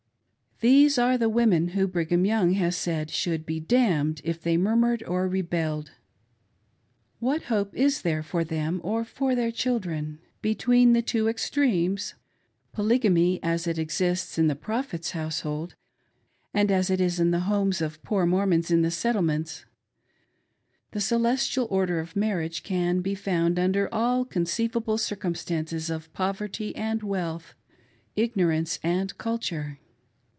These are the women who Brigham Young has said should be " damned " if they murmured or rebelled. What hope is there for them or for their children ? Between the two ex tremes— Polygamy as it exists in the Prophet's household, and as it is in the homes of poor Mormons in the Settlements — the celestial order of marriage can be found under all conceiv able circumstances of poverty and wealth, ignorance and cul ture.